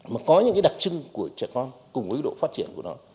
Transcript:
mà có những cái đặc trưng của trẻ con cùng với độ phát triển của nó